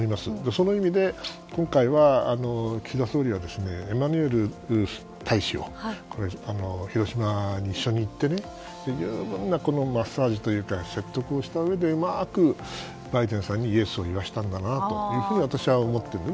その意味で、今回は岸田総理はエマニュエル大使と広島に一緒に行って十分な説得をしてうまくバイデンさんにイエスを言わせたんだなと私は思っている。